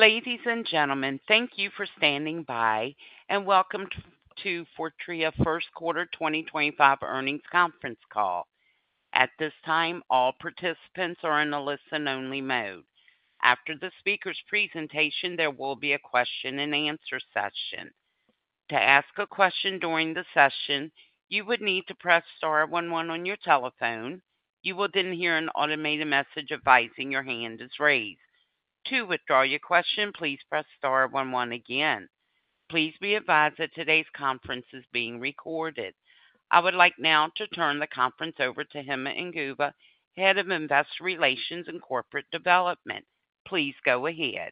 Ladies and gentlemen, thank you for standing by and welcome to Fortrea First Quarter 2025 Earnings Conference Call. At this time, all participants are in a listen-only mode. After the speaker's presentation, there will be a question-and-answer session. To ask a question during the session, you would need to press star one one on your telephone. You will then hear an automated message advising your hand is raised. To withdraw your question, please press star one one again. Please be advised that today's conference is being recorded. I would like now to turn the conference over to Hima Inguva, Head of Investor Relations and Corporate Development. Please go ahead.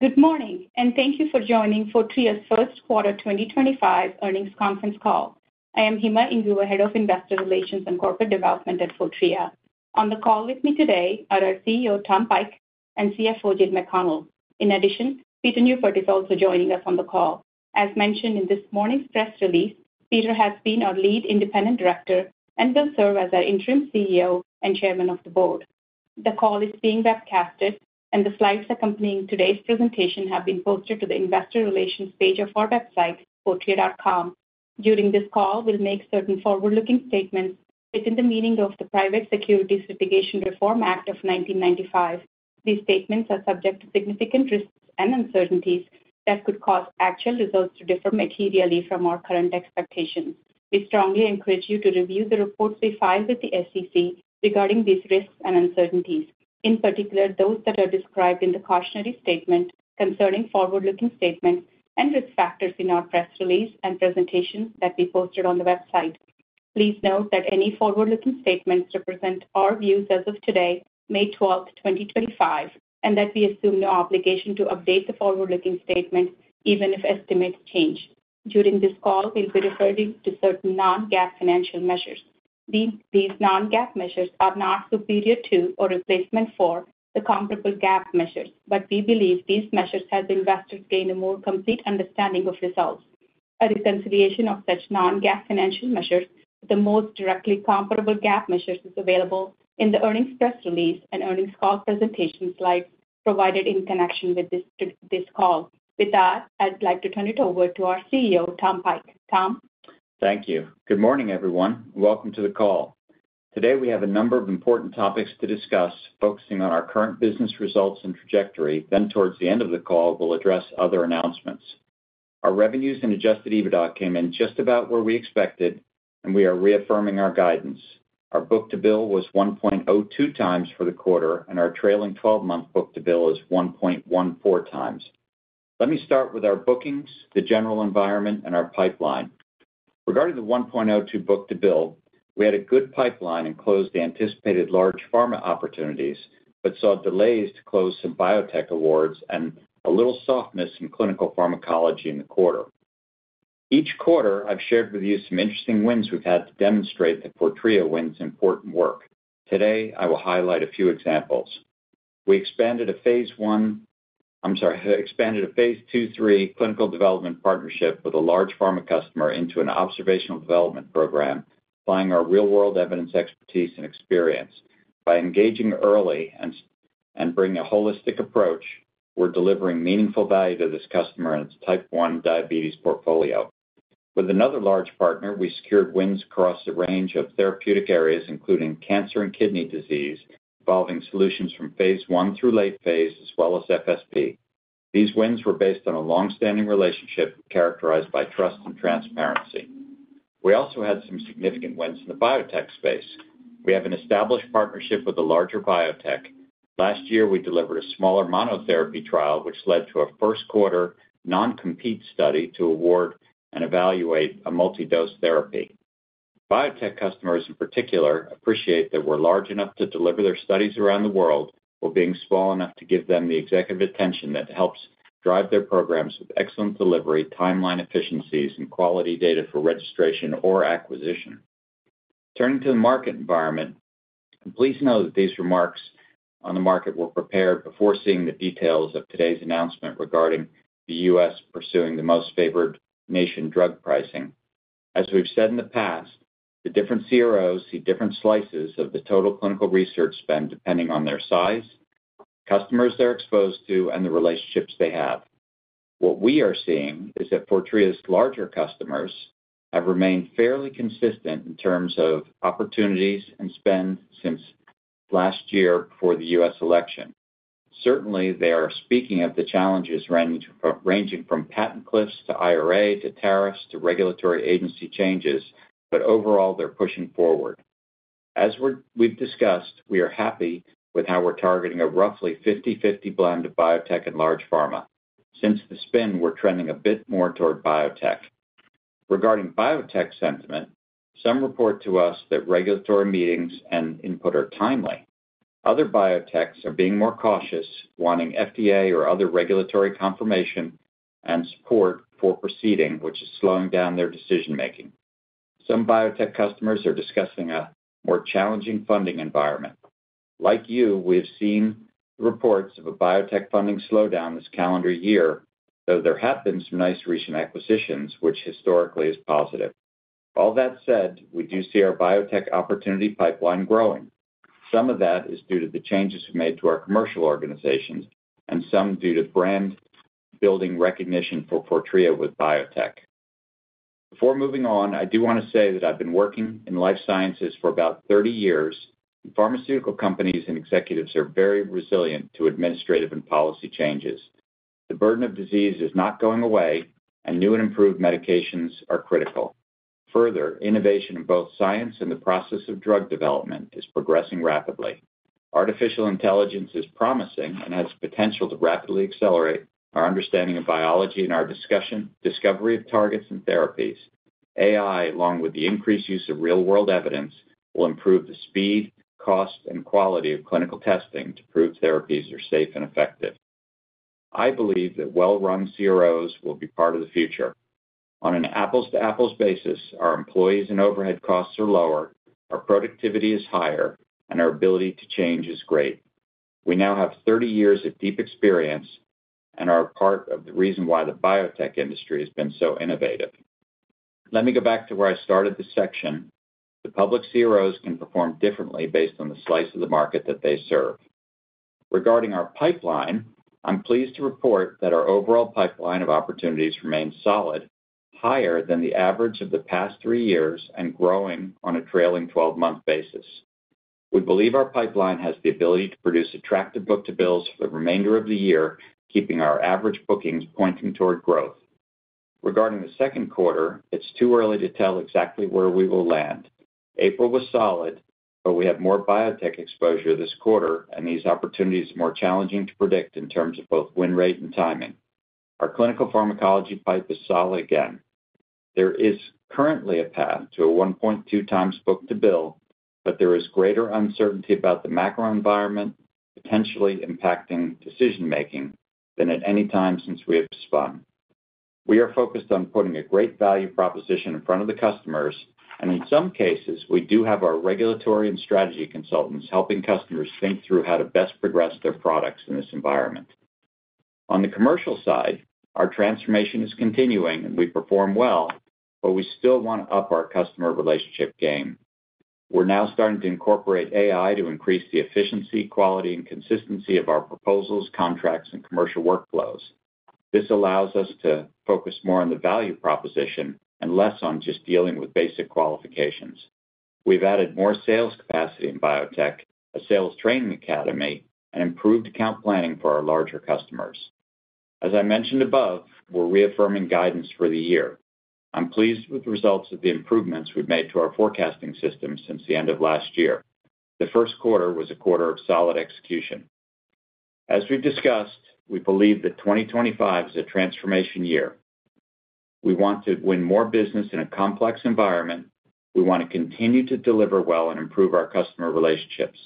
Good morning, and thank you for joining Fortrea's First Quarter 2025 Earnings Conference Call. I am Hima Inguva, Head of Investor Relations and Corporate Development at Fortrea. On the call with me today are our CEO, Tom Pike, and CFO, Jill McConnell. In addition, Peter Neupert is also joining us on the call. As mentioned in this morning's press release, Peter has been our lead independent director and will serve as our interim CEO and chairman of the board. The call is being webcast, and the slides accompanying today's presentation have been posted to the investor relations page of our website, fortrea.com. During this call, we'll make certain forward-looking statements within the meaning of the Private Securities Litigation Reform Act of 1995. These statements are subject to significant risks and uncertainties that could cause actual results to differ materially from our current expectations. We strongly encourage you to review the reports we file with the SEC regarding these risks and uncertainties, in particular those that are described in the cautionary statement concerning forward-looking statements and risk factors in our press release and presentation that we posted on the website. Please note that any forward-looking statements represent our views as of today, May 12th, 2025, and that we assume no obligation to update the forward-looking statement even if estimates change. During this call, we'll be referring to certain non-GAAP financial measures. These non-GAAP measures are not superior to or replacement for the comparable GAAP measures, but we believe these measures help investors gain a more complete understanding of results. A reconciliation of such non-GAAP financial measures with the most directly comparable GAAP measures is available in the earnings press release and earnings call presentation slides provided in connection with this call. With that, I'd like to turn it over to our CEO, Tom Pike. Tom. Thank you. Good morning, everyone. Welcome to the call. Today, we have a number of important topics to discuss, focusing on our current business results and trajectory. Towards the end of the call, we'll address other announcements. Our revenues and adjusted EBITDA came in just about where we expected, and we are reaffirming our guidance. Our book-to-bill was 1.02x for the quarter, and our trailing 12-month book-to-bill is 1.14x. Let me start with our bookings, the general environment, and our pipeline. Regarding the 1.02x book-to-bill, we had a good pipeline and closed the anticipated large pharma opportunities, but saw delays to close some biotech awards and a little softness in clinical pharmacology in the quarter. Each quarter, I've shared with you some interesting wins we've had to demonstrate that Fortrea wins important work. Today, I will highlight a few examples. We expanded a phase I—i'm sorry, expanded a phase II, III clinical development partnership with a large pharma customer into an observational development program, applying our real-world evidence expertise and experience. By engaging early and bringing a holistic approach, we're delivering meaningful value to this customer and its type one diabetes portfolio. With another large partner, we secured wins across a range of therapeutic areas, including cancer and kidney disease, involving solutions from phase I through late phase, as well as FSP. These wins were based on a long-standing relationship characterized by trust and transparency. We also had some significant wins in the biotech space. We have an established partnership with a larger biotech. Last year, we delivered a smaller monotherapy trial, which led to a first-quarter non-compete study to award and evaluate a multi-dose therapy. Biotech customers, in particular, appreciate that we're large enough to deliver their studies around the world while being small enough to give them the executive attention that helps drive their programs with excellent delivery, timeline efficiencies, and quality data for registration or acquisition. Turning to the market environment, please know that these remarks on the market were prepared before seeing the details of today's announcement regarding the U.S. pursuing the most favored nation drug pricing. As we've said in the past, the different CROs see different slices of the total clinical research spend depending on their size, customers they're exposed to, and the relationships they have. What we are seeing is that Fortrea's larger customers have remained fairly consistent in terms of opportunities and spend since last year before the U.S. election. Certainly, they are speaking of the challenges ranging from patent cliffs to IRA to tariffs to regulatory agency changes, but overall, they're pushing forward. As we've discussed, we are happy with how we're targeting a roughly 50/50 blend of biotech and large pharma. Since the spend, we're trending a bit more toward biotech. Regarding biotech sentiment, some report to us that regulatory meetings and input are timely. Other biotechs are being more cautious, wanting FDA or other regulatory confirmation and support for proceeding, which is slowing down their decision-making. Some biotech customers are discussing a more challenging funding environment. Like you, we've seen reports of a biotech funding slowdown this calendar year, though there have been some nice recent acquisitions, which historically is positive. All that said, we do see our biotech opportunity pipeline growing. Some of that is due to the changes we've made to our commercial organizations and some due to brand-building recognition for Fortrea with biotech. Before moving on, I do want to say that I've been working in life sciences for about 30 years. Pharmaceutical companies and executives are very resilient to administrative and policy changes. The burden of disease is not going away, and new and improved medications are critical. Further, innovation in both science and the process of drug development is progressing rapidly. Artificial intelligence is promising and has the potential to rapidly accelerate our understanding of biology and our discovery of targets and therapies. AI, along with the increased use of real-world evidence, will improve the speed, cost, and quality of clinical testing to prove therapies are safe and effective. I believe that well-run CROs will be part of the future. On an apples-to-apples basis, our employees and overhead costs are lower, our productivity is higher, and our ability to change is great. We now have 30 years of deep experience and are a part of the reason why the biotech industry has been so innovative. Let me go back to where I started this section. The public CROs can perform differently based on the slice of the market that they serve. Regarding our pipeline, I'm pleased to report that our overall pipeline of opportunities remains solid, higher than the average of the past three years and growing on a trailing 12-month basis. We believe our pipeline has the ability to produce attractive book-to-bills for the remainder of the year, keeping our average bookings pointing toward growth. Regarding the second quarter, it's too early to tell exactly where we will land. April was solid, but we have more biotech exposure this quarter, and these opportunities are more challenging to predict in terms of both win rate and timing. Our clinical pharmacology pipe is solid again. There is currently a path to a 1.2x book-to-bill, but there is greater uncertainty about the macro environment potentially impacting decision-making than at any time since we have spun. We are focused on putting a great value proposition in front of the customers, and in some cases, we do have our regulatory and strategy consultants helping customers think through how to best progress their products in this environment. On the commercial side, our transformation is continuing, and we perform well, but we still want to up our customer relationship game. We're now starting to incorporate AI to increase the efficiency, quality, and consistency of our proposals, contracts, and commercial workflows. This allows us to focus more on the value proposition and less on just dealing with basic qualifications. We've added more sales capacity in biotech, a sales training academy, and improved account planning for our larger customers. As I mentioned above, we're reaffirming guidance for the year. I'm pleased with the results of the improvements we've made to our forecasting system since the end of last year. The first quarter was a quarter of solid execution. As we've discussed, we believe that 2025 is a transformation year. We want to win more business in a complex environment. We want to continue to deliver well and improve our customer relationships.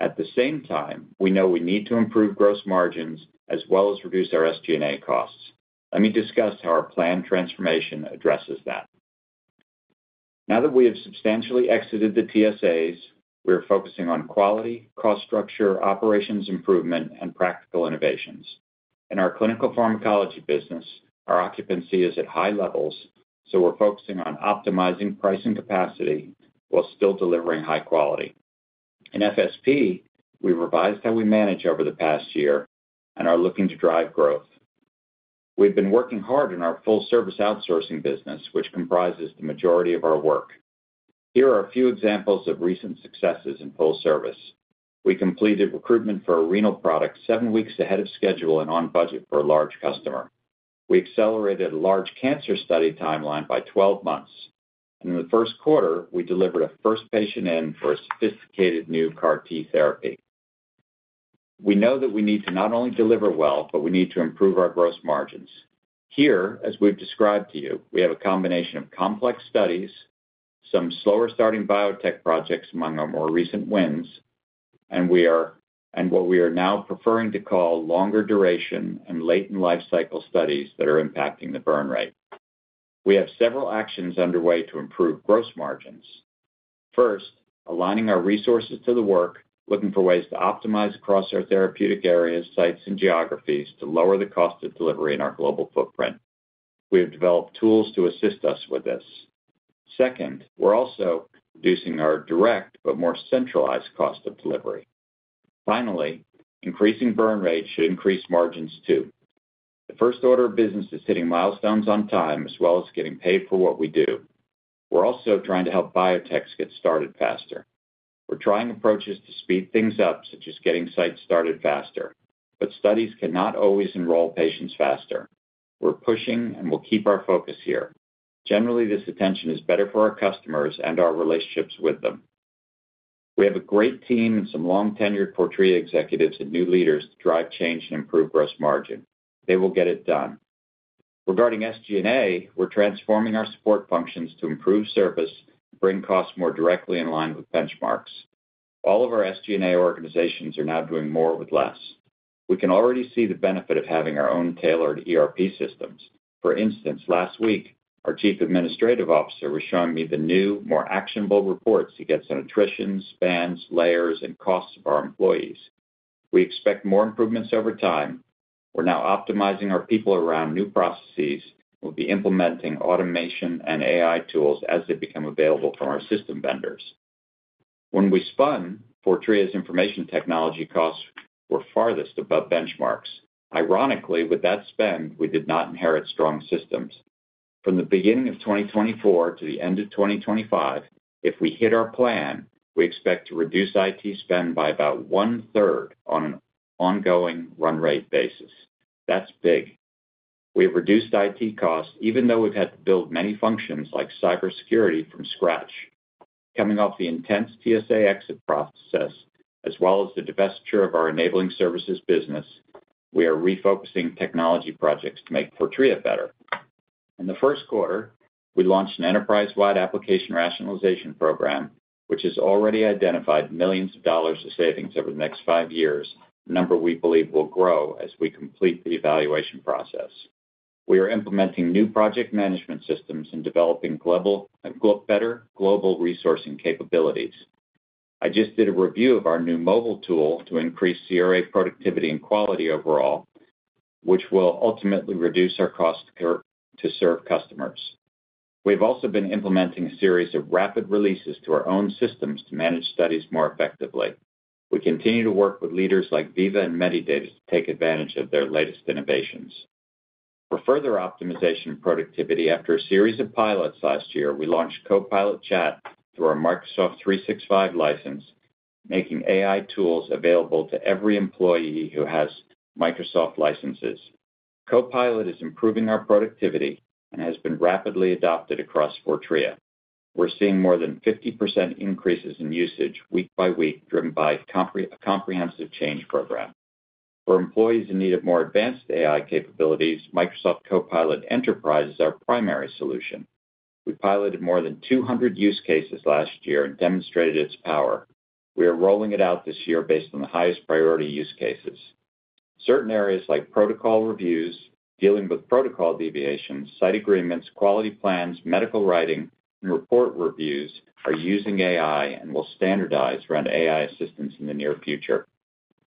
At the same time, we know we need to improve gross margins as well as reduce our SG&A costs. Let me discuss how our planned transformation addresses that. Now that we have substantially exited the TSAs, we are focusing on quality, cost structure, operations improvement, and practical innovations. In our clinical pharmacology business, our occupancy is at high levels, so we're focusing on optimizing price and capacity while still delivering high quality. In FSP, we've revised how we manage over the past year and are looking to drive growth. We've been working hard in our full-service outsourcing business, which comprises the majority of our work. Here are a few examples of recent successes in full service. We completed recruitment for a renal product seven weeks ahead of schedule and on budget for a large customer. We accelerated a large cancer study timeline by 12 months. In the first quarter, we delivered a first patient in for a sophisticated new CAR-T therapy. We know that we need to not only deliver well, but we need to improve our gross margins. Here, as we've described to you, we have a combination of complex studies, some slower-starting biotech projects among our more recent wins, and what we are now preferring to call longer duration and latent life cycle studies that are impacting the burn rate. We have several actions underway to improve gross margins. First, aligning our resources to the work, looking for ways to optimize across our therapeutic areas, sites, and geographies to lower the cost of delivery in our global footprint. We have developed tools to assist us with this. Second, we're also reducing our direct but more centralized cost of delivery. Finally, increasing burn rate should increase margins too. The first order of business is hitting milestones on time as well as getting paid for what we do. We're also trying to help biotechs get started faster. We're trying approaches to speed things up, such as getting sites started faster, but studies cannot always enroll patients faster. We're pushing and will keep our focus here. Generally, this attention is better for our customers and our relationships with them. We have a great team and some long-tenured Fortrea executives and new leaders to drive change and improve gross margin. They will get it done. Regarding SG&A, we're transforming our support functions to improve service, bring costs more directly in line with benchmarks. All of our SG&A organizations are now doing more with less. We can already see the benefit of having our own tailored ERP systems. For instance, last week, our Chief Administrative Officer was showing me the new, more actionable reports he gets on attritions, spans, layers, and costs of our employees. We expect more improvements over time. We're now optimizing our people around new processes and will be implementing automation and AI tools as they become available from our system vendors. When we spun, Fortrea's information technology costs were farthest above benchmarks. Ironically, with that spend, we did not inherit strong systems. From the beginning of 2024 to the end of 2025, if we hit our plan, we expect to reduce IT spend by about one-third on an ongoing run rate basis. That's big. We have reduced IT costs even though we've had to build many functions like cybersecurity from scratch. Coming off the intense TSA exit process, as well as the divestiture of our enabling services business, we are refocusing technology projects to make Fortrea better. In the first quarter, we launched an enterprise-wide application rationalization program, which has already identified millions of dollars of savings over the next five years, a number we believe will grow as we complete the evaluation process. We are implementing new project management systems and developing better global resourcing capabilities. I just did a review of our new mobile tool to increase CRA productivity and quality overall, which will ultimately reduce our cost to serve customers. We have also been implementing a series of rapid releases to our own systems to manage studies more effectively. We continue to work with leaders like Veeva and Medidata to take advantage of their latest innovations. For further optimization and productivity, after a series of pilots last year, we launched Copilot Chat through our Microsoft 365 license, making AI tools available to every employee who has Microsoft licenses. Copilot is improving our productivity and has been rapidly adopted across Fortrea. We are seeing more than 50% increases in usage week by week, driven by a comprehensive change program. For employees in need of more advanced AI capabilities, Microsoft Copilot Enterprise is our primary solution. We piloted more than 200 use cases last year and demonstrated its power. We are rolling it out this year based on the highest priority use cases. Certain areas like protocol reviews, dealing with protocol deviations, site agreements, quality plans, medical writing, and report reviews are using AI and will standardize around AI assistance in the near future.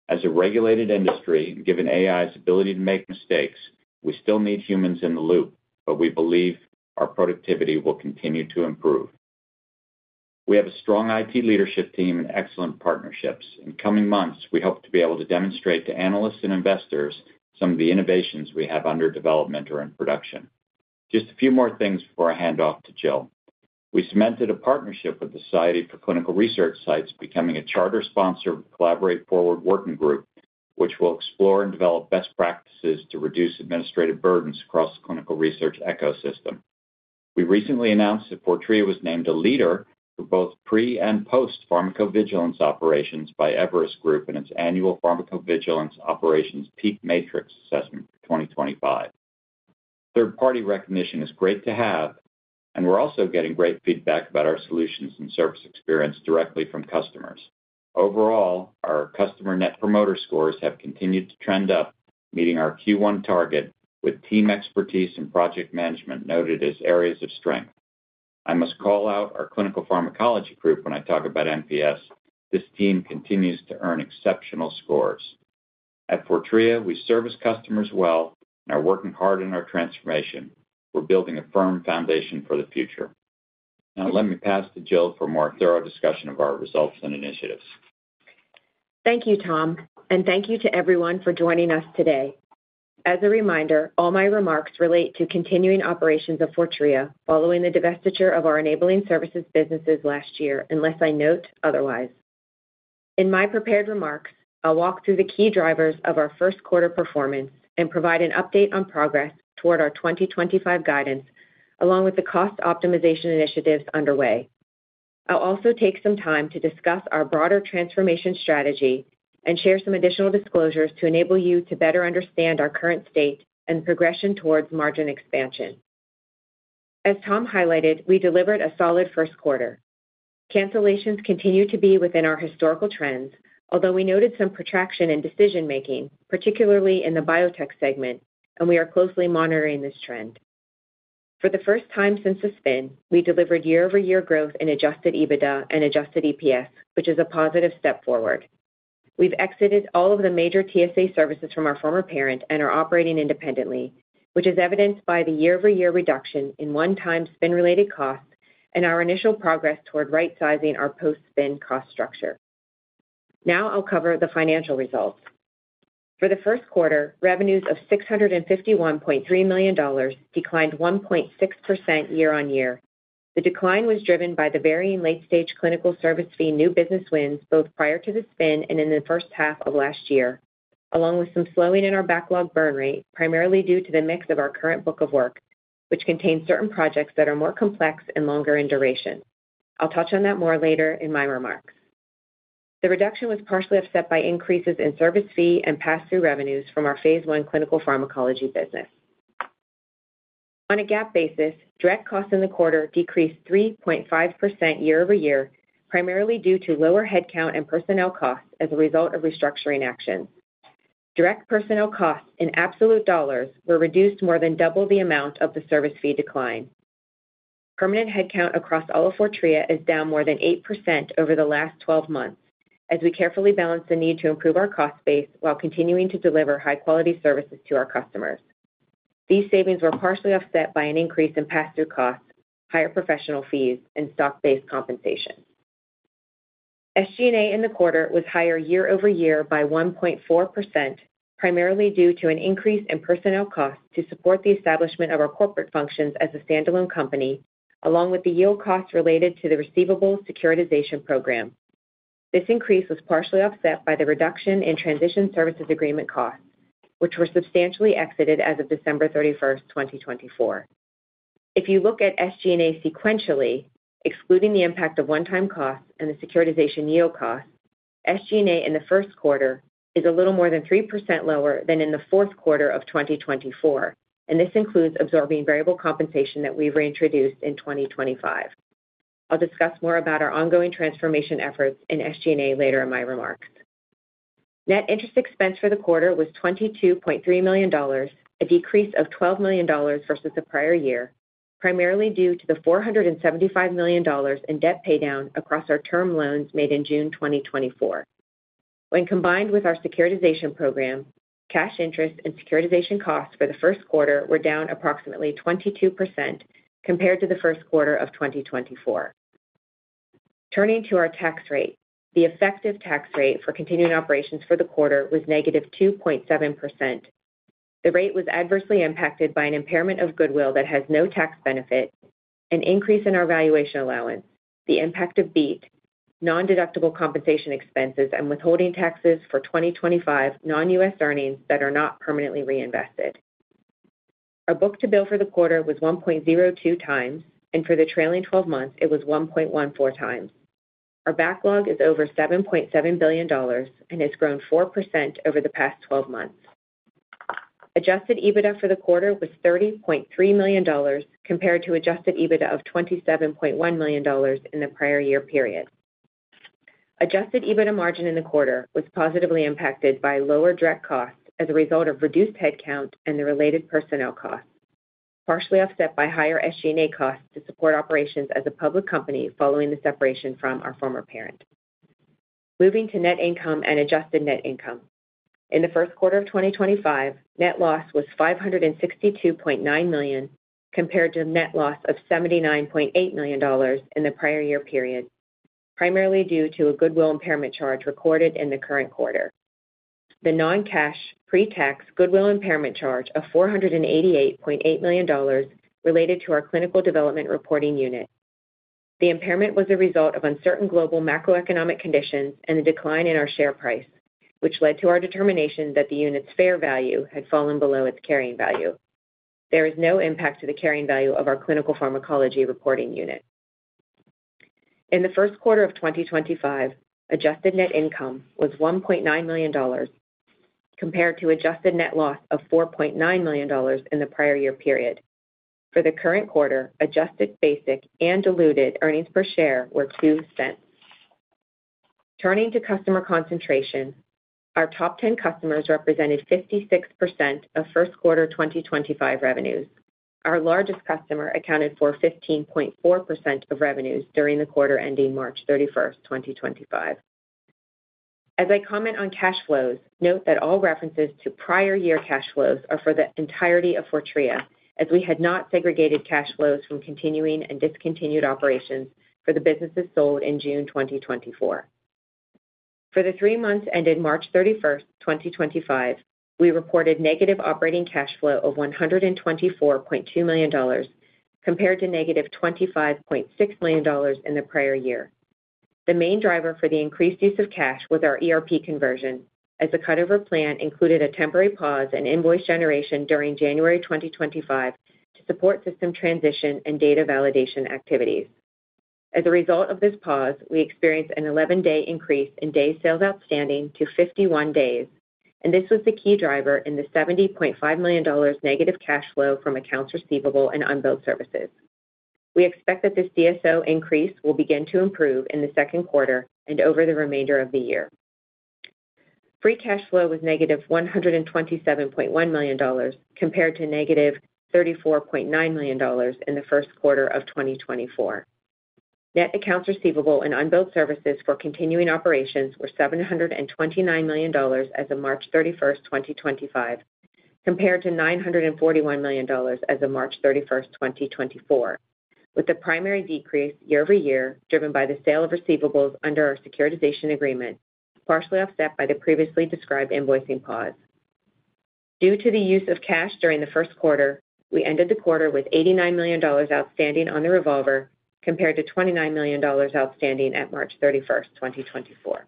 As a regulated industry, given AI's ability to make mistakes, we still need humans in the loop, but we believe our productivity will continue to improve. We have a strong IT leadership team and excellent partnerships. In coming months, we hope to be able to demonstrate to analysts and investors some of the innovations we have under development or in production. Just a few more things before I hand off to Jill. We cemented a partnership with the Society for Clinical Research Sites, becoming a charter sponsored Collaborate Forward working group, which will explore and develop best practices to reduce administrative burdens across the clinical research ecosystem. We recently announced that Fortrea was named a leader for both pre and post-pharmacovigilance operations by Everest Group in its annual Pharmacovigilance Operations Peak Matrix assessment for 2025. Third-party recognition is great to have, and we're also getting great feedback about our solutions and service experience directly from customers. Overall, our customer net promoter scores have continued to trend up, meeting our Q1 target with team expertise and project management noted as areas of strength. I must call out our clinical pharmacology group when I talk about MPS. This team continues to earn exceptional scores. At Fortrea, we service customers well and are working hard in our transformation. We're building a firm foundation for the future. Now, let me pass to Jill for a more thorough discussion of our results and initiatives. Thank you, Tom, and thank you to everyone for joining us today. As a reminder, all my remarks relate to continuing operations of Fortrea following the divestiture of our enabling services businesses last year, unless I note otherwise. In my prepared remarks, I'll walk through the key drivers of our first quarter performance and provide an update on progress toward our 2025 guidance, along with the cost optimization initiatives underway. I'll also take some time to discuss our broader transformation strategy and share some additional disclosures to enable you to better understand our current state and progression towards margin expansion. As Tom highlighted, we delivered a solid first quarter. Cancellations continue to be within our historical trends, although we noted some protraction in decision-making, particularly in the biotech segment, and we are closely monitoring this trend. For the first time since the spin, we delivered year-over-year growth in adjusted EBITDA and adjusted EPS, which is a positive step forward. We've exited all of the major TSA services from our former parent and are operating independently, which is evidenced by the year-over-year reduction in one-time spin-related costs and our initial progress toward right-sizing our post-spin cost structure. Now I'll cover the financial results. For the first quarter, revenues of $651.3 million declined 1.6% year-on-year. The decline was driven by the varying late-stage clinical service fee new business wins both prior to the spin and in the first half of last year, along with some slowing in our backlog burn rate, primarily due to the mix of our current book of work, which contains certain projects that are more complex and longer in duration. I'll touch on that more later in my remarks. The reduction was partially offset by increases in service fee and pass-through revenues from our phase I clinical pharmacology business. On a GAAP basis, direct costs in the quarter decreased 3.5% year-over-year, primarily due to lower headcount and personnel costs as a result of restructuring actions. Direct personnel costs in absolute dollars were reduced more than double the amount of the service fee decline. Permanent headcount across all of Fortrea is down more than 8% over the last 12 months, as we carefully balance the need to improve our cost base while continuing to deliver high-quality services to our customers. These savings were partially offset by an increase in pass-through costs, higher professional fees, and stock-based compensation. SG&A in the quarter was higher year-over-year by 1.4%, primarily due to an increase in personnel costs to support the establishment of our corporate functions as a standalone company, along with the yield costs related to the receivable securitization program. This increase was partially offset by the reduction in transition services agreement costs, which were substantially exited as of December 31, 2024. If you look at SG&A sequentially, excluding the impact of one-time costs and the securitization yield costs, SG&A in the first quarter is a little more than 3% lower than in the fourth quarter of 2024, and this includes absorbing variable compensation that we've reintroduced in 2025. I'll discuss more about our ongoing transformation efforts in SG&A later in my remarks. Net interest expense for the quarter was $22.3 million, a decrease of $12 million versus the prior year, primarily due to the $475 million in debt paydown across our term loans made in June 2024. When combined with our securitization program, cash interest and securitization costs for the first quarter were down approximately 22% compared to the first quarter of 2024. Turning to our tax rate, the effective tax rate for continuing operations for the quarter was negative 2.7%. The rate was adversely impacted by an impairment of goodwill that has no tax benefit, an increase in our valuation allowance, the impact of BEAT, non-deductible compensation expenses, and withholding taxes for 2025 non-U.S. earnings that are not permanently reinvested. Our book-to-bill for the quarter was 1.02x, and for the trailing 12 months, it was 1.14x. Our backlog is over $7.7 billion and has grown 4% over the past 12 months. Adjusted EBITDA for the quarter was $30.3 million compared to adjusted EBITDA of $27.1 million in the prior year period. Adjusted EBITDA margin in the quarter was positively impacted by lower direct costs as a result of reduced headcount and the related personnel costs, partially offset by higher SG&A costs to support operations as a public company following the separation from our former parent. Moving to net income and adjusted net income. In the first quarter of 2025, net loss was $562.9 million compared to net loss of $79.8 million in the prior year period, primarily due to a goodwill impairment charge recorded in the current quarter. The non-cash, pre-tax goodwill impairment charge of $488.8 million related to our clinical development reporting unit. The impairment was a result of uncertain global macroeconomic conditions and the decline in our share price, which led to our determination that the unit's fair value had fallen below its carrying value. There is no impact to the carrying value of our clinical pharmacology reporting unit. In the first quarter of 2025, adjusted net income was $1.9 million compared to adjusted net loss of $4.9 million in the prior year period. For the current quarter, adjusted basic and diluted earnings per share were $0.02. Turning to customer concentration, our top 10 customers represented 56% of first quarter 2025 revenues. Our largest customer accounted for 15.4% of revenues during the quarter ending March 31, 2025. As I comment on cash flows, note that all references to prior year cash flows are for the entirety of Fortrea, as we had not segregated cash flows from continuing and discontinued operations for the businesses sold in June 2024. For the three months ended March 31, 2025, we reported negative operating cash flow of $124.2 million compared to -$25.6 million in the prior year. The main driver for the increased use of cash was our ERP conversion, as the cutover plan included a temporary pause in invoice generation during January 2025 to support system transition and data validation activities. As a result of this pause, we experienced an 11-day increase in days sales outstanding to 51 days, and this was the key driver in the $70.5 million negative cash flow from accounts receivable and unbilled services. We expect that this DSO increase will begin to improve in the second quarter and over the remainder of the year. Free cash flow was -$127.1 million compared to -$34.9 million in the first quarter of 2024. Net accounts receivable and unbilled services for continuing operations were $729 million as of March 31, 2025, compared to $941 million as of March 31, 2024, with the primary decrease year-over-year driven by the sale of receivables under our securitization agreement, partially offset by the previously described invoicing pause. Due to the use of cash during the first quarter, we ended the quarter with $89 million outstanding on the revolver compared to $29 million outstanding at March 31, 2024.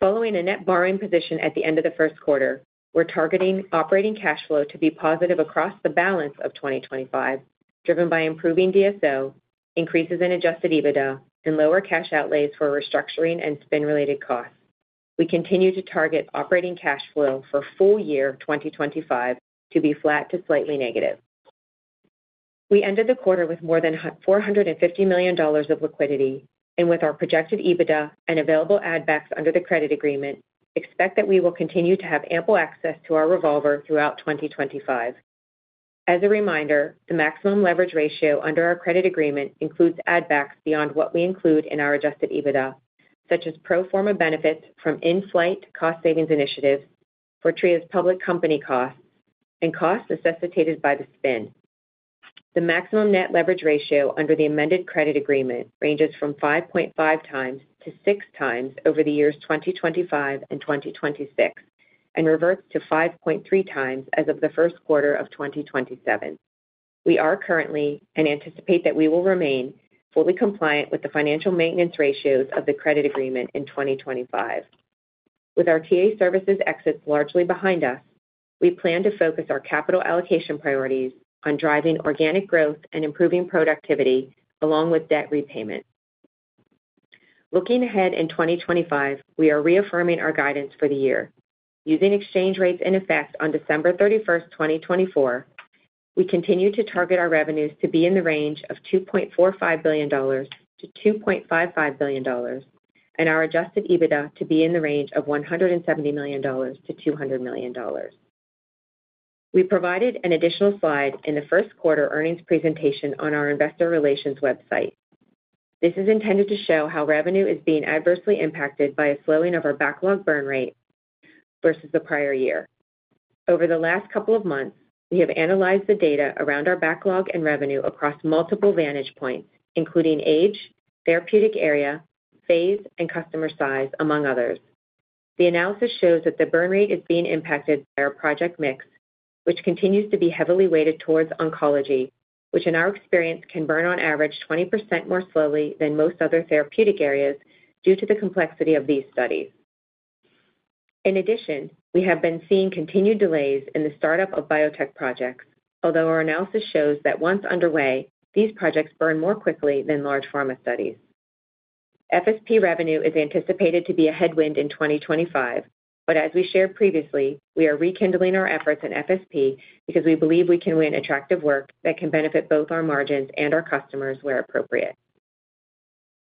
Following a net borrowing position at the end of the first quarter, we're targeting operating cash flow to be positive across the balance of 2025, driven by improving DSO, increases in adjusted EBITDA, and lower cash outlays for restructuring and spin-related costs. We continue to target operating cash flow for full year 2025 to be flat to slightly negative. We ended the quarter with more than $450 million of liquidity, and with our projected EBITDA and available add-backs under the credit agreement, expect that we will continue to have ample access to our revolver throughout 2025. As a reminder, the maximum leverage ratio under our credit agreement includes add-backs beyond what we include in our adjusted EBITDA, such as pro forma benefits from in-flight cost savings initiatives, Fortrea's public company costs, and costs necessitated by the spin. The maximum net leverage ratio under the amended credit agreement ranges from 5.5x-6x over the years 2025 and 2026 and reverts to 5.3x as of the first quarter of 2027. We are currently and anticipate that we will remain fully compliant with the financial maintenance ratios of the credit agreement in 2025. With our TA services exits largely behind us, we plan to focus our capital allocation priorities on driving organic growth and improving productivity along with debt repayment. Looking ahead in 2025, we are reaffirming our guidance for the year. Using exchange rates in effect on December 31, 2024, we continue to target our revenues to be in the range of $2.45 billion-$2.55 billion and our adjusted EBITDA to be in the range of $170 million-$200 million. We provided an additional slide in the first quarter earnings presentation on our investor relations website. This is intended to show how revenue is being adversely impacted by a slowing of our backlog burn rate versus the prior year. Over the last couple of months, we have analyzed the data around our backlog and revenue across multiple vantage points, including age, therapeutic area, phase, and customer size, among others. The analysis shows that the burn rate is being impacted by our project mix, which continues to be heavily weighted towards oncology, which, in our experience, can burn on average 20% more slowly than most other therapeutic areas due to the complexity of these studies. In addition, we have been seeing continued delays in the startup of biotech projects, although our analysis shows that once underway, these projects burn more quickly than large pharma studies. FSP revenue is anticipated to be a headwind in 2025, but as we shared previously, we are rekindling our efforts in FSP because we believe we can win attractive work that can benefit both our margins and our customers where appropriate.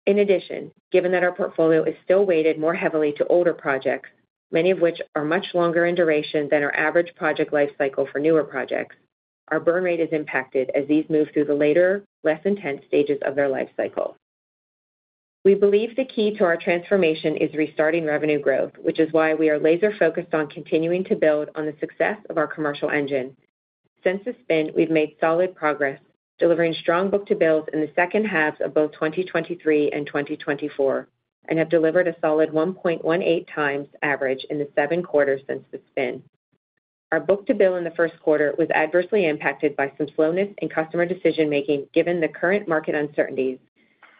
In addition, given that our portfolio is still weighted more heavily to older projects, many of which are much longer in duration than our average project lifecycle for newer projects, our burn rate is impacted as these move through the later, less intense stages of their lifecycle. We believe the key to our transformation is restarting revenue growth, which is why we are laser-focused on continuing to build on the success of our commercial engine. Since the spin, we've made solid progress, delivering strong book-to-bills in the second halves of both 2023 and 2024, and have delivered a solid 1.18x average in the seven quarters since the spin. Our book-to-bill in the first quarter was adversely impacted by some slowness in customer decision-making given the current market uncertainties,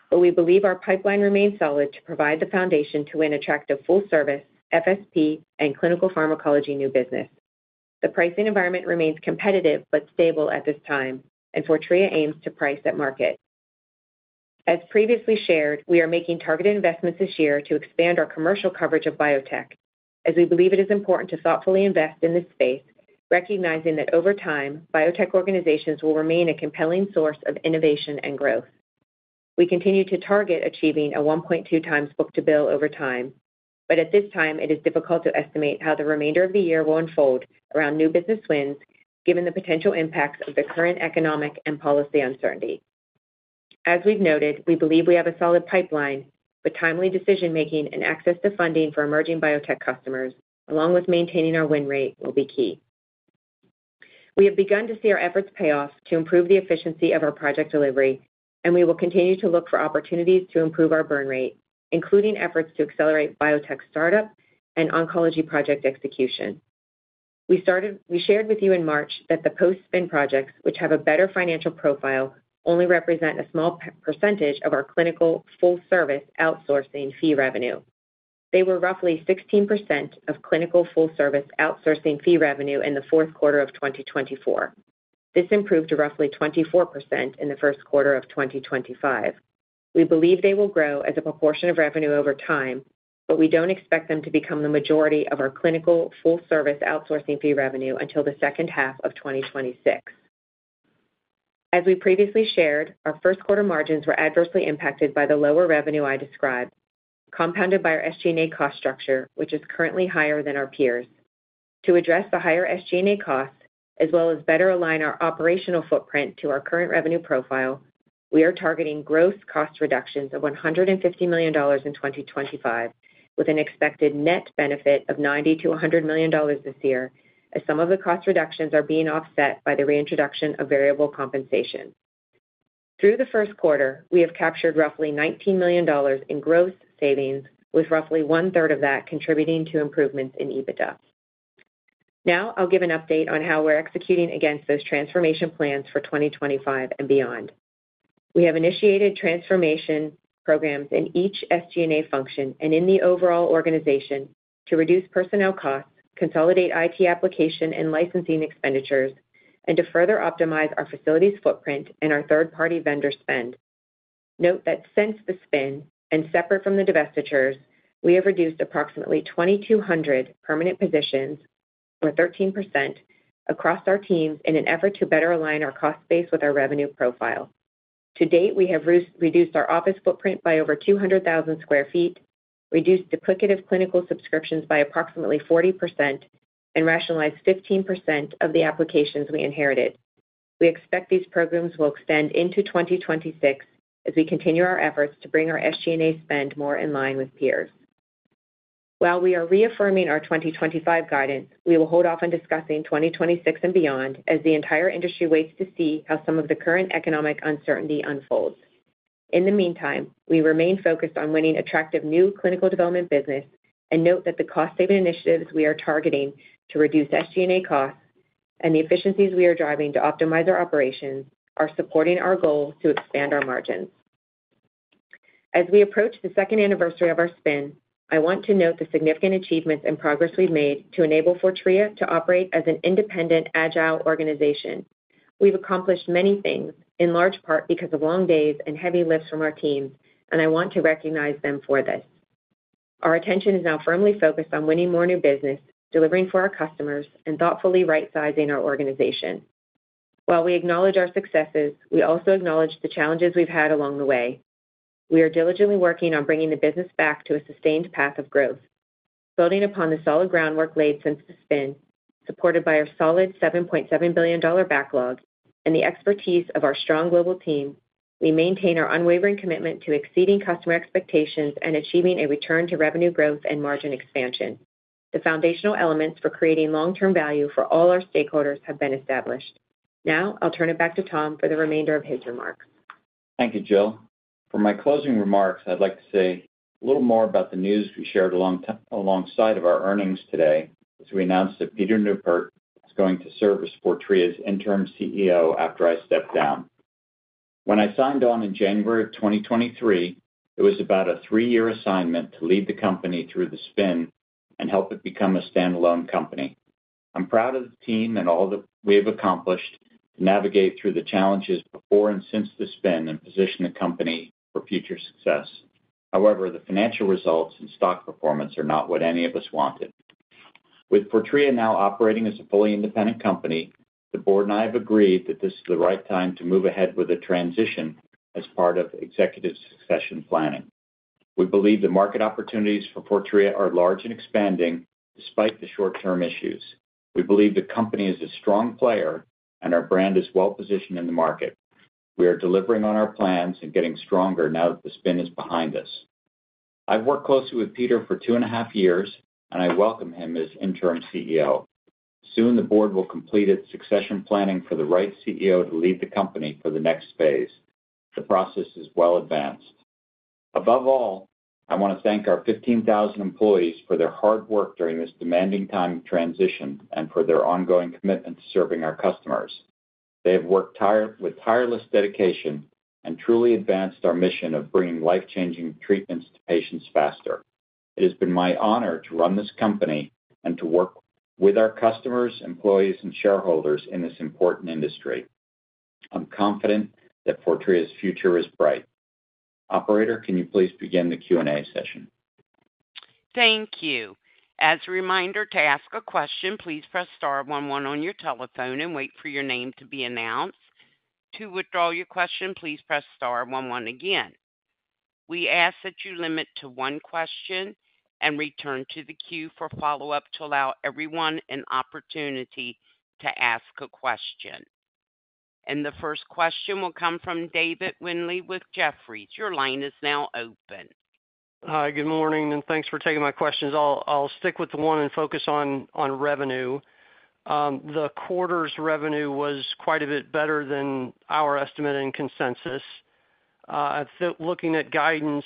but we believe our pipeline remains solid to provide the foundation to win attractive full-service, FSP, and clinical pharmacology new business. The pricing environment remains competitive but stable at this time, and Fortrea aims to price at market. As previously shared, we are making targeted investments this year to expand our commercial coverage of biotech, as we believe it is important to thoughtfully invest in this space, recognizing that over time, biotech organizations will remain a compelling source of innovation and growth. We continue to target achieving a 1.2x book-to-bill over time, but at this time, it is difficult to estimate how the remainder of the year will unfold around new business wins, given the potential impacts of the current economic and policy uncertainty. As we've noted, we believe we have a solid pipeline, but timely decision-making and access to funding for emerging biotech customers, along with maintaining our win rate, will be key. We have begun to see our efforts pay off to improve the efficiency of our project delivery, and we will continue to look for opportunities to improve our burn rate, including efforts to accelerate biotech startup and oncology project execution. We shared with you in March that the post-spin projects, which have a better financial profile, only represent a small percentage of our clinical full-service outsourcing fee revenue. They were roughly 16% of clinical full-service outsourcing fee revenue in the fourth quarter of 2024. This improved to roughly 24% in the first quarter of 2025. We believe they will grow as a proportion of revenue over time, but we do not expect them to become the majority of our clinical full-service outsourcing fee revenue until the second half of 2026. As we previously shared, our first quarter margins were adversely impacted by the lower revenue I described, compounded by our SG&A cost structure, which is currently higher than our peers. To address the higher SG&A costs, as well as better align our operational footprint to our current revenue profile, we are targeting gross cost reductions of $150 million in 2025, with an expected net benefit of $90-$100 million this year, as some of the cost reductions are being offset by the reintroduction of variable compensation. Through the first quarter, we have captured roughly $19 million in gross savings, with roughly one-third of that contributing to improvements in EBITDA. Now, I'll give an update on how we're executing against those transformation plans for 2025 and beyond. We have initiated transformation programs in each SG&A function and in the overall organization to reduce personnel costs, consolidate IT application and licensing expenditures, and to further optimize our facilities footprint and our third-party vendor spend. Note that since the spin and separate from the divestitures, we have reduced approximately 2,200 permanent positions, or 13%, across our teams in an effort to better align our cost base with our revenue profile. To date, we have reduced our office footprint by over 200,000 sq ft, reduced duplicative clinical subscriptions by approximately 40%, and rationalized 15% of the applications we inherited. We expect these programs will extend into 2026 as we continue our efforts to bring our SG&A spend more in line with peers. While we are reaffirming our 2025 guidance, we will hold off on discussing 2026 and beyond as the entire industry waits to see how some of the current economic uncertainty unfolds. In the meantime, we remain focused on winning attractive new clinical development business and note that the cost-saving initiatives we are targeting to reduce SG&A costs and the efficiencies we are driving to optimize our operations are supporting our goal to expand our margins. As we approach the second anniversary of our spin, I want to note the significant achievements and progress we've made to enable Fortrea to operate as an independent, agile organization. We've accomplished many things, in large part because of long days and heavy lifts from our teams, and I want to recognize them for this. Our attention is now firmly focused on winning more new business, delivering for our customers, and thoughtfully right-sizing our organization. While we acknowledge our successes, we also acknowledge the challenges we've had along the way. We are diligently working on bringing the business back to a sustained path of growth. Building upon the solid groundwork laid since the spin, supported by our solid $7.7 billion backlog and the expertise of our strong global team, we maintain our unwavering commitment to exceeding customer expectations and achieving a return to revenue growth and margin expansion. The foundational elements for creating long-term value for all our stakeholders have been established. Now, I'll turn it back to Tom for the remainder of his remarks. Thank you, Jill. For my closing remarks, I'd like to say a little more about the news we shared alongside of our earnings today, as we announced that Peter Neupert is going to serve as Fortrea's interim CEO after I step down. When I signed on in January of 2023, it was about a three-year assignment to lead the company through the spin and help it become a standalone company. I'm proud of the team and all that we have accomplished to navigate through the challenges before and since the spin and position the company for future success. However, the financial results and stock performance are not what any of us wanted. With Fortrea now operating as a fully independent company, the board and I have agreed that this is the right time to move ahead with a transition as part of executive succession planning. We believe the market opportunities for Fortrea are large and expanding despite the short-term issues. We believe the company is a strong player and our brand is well-positioned in the market. We are delivering on our plans and getting stronger now that the spin is behind us. I've worked closely with Peter for two and a half years, and I welcome him as interim CEO. Soon, the board will complete its succession planning for the right CEO to lead the company for the next phase. The process is well advanced. Above all, I want to thank our 15,000 employees for their hard work during this demanding time of transition and for their ongoing commitment to serving our customers. They have worked with tireless dedication and truly advanced our mission of bringing life-changing treatments to patients faster. It has been my honor to run this company and to work with our customers, employees, and shareholders in this important industry. I'm confident that Fortrea's future is bright. Operator, can you please begin the Q&A session? Thank you. As a reminder to ask a question, please press star one one on your telephone and wait for your name to be announced. To withdraw your question, please press star one one again. We ask that you limit to one question and return to the queue for follow-up to allow everyone an opportunity to ask a question. The first question will come from David Windley with Jefferies. Your line is now open. Hi, good morning, and thanks for taking my questions. I'll stick with the one and focus on revenue. The quarter's revenue was quite a bit better than our estimate and consensus. Looking at guidance,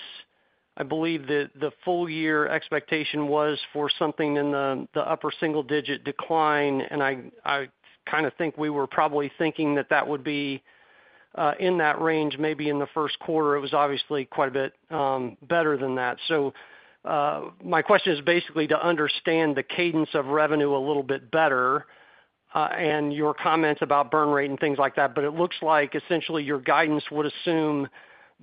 I believe that the full-year expectation was for something in the upper single-digit decline, and I kind of think we were probably thinking that that would be in that range maybe in the first quarter. It was obviously quite a bit better than that. My question is basically to understand the cadence of revenue a little bit better and your comments about burn rate and things like that, but it looks like essentially your guidance would assume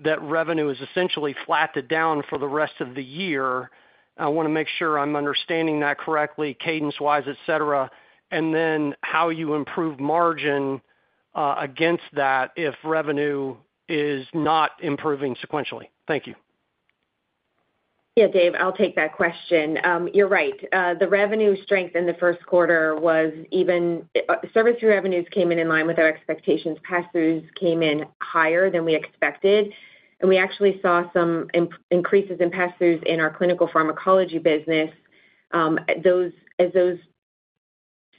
that revenue is essentially flat and down for the rest of the year. I want to make sure I'm understanding that correctly, cadence-wise, etc., and then how you improve margin against that if revenue is not improving sequentially. Thank you. Yeah, Dave, I'll take that question. You're right. The revenue strength in the first quarter was even service revenues came in in line with our expectations. Pass-throughs came in higher than we expected, and we actually saw some increases in pass-throughs in our clinical pharmacology business. As those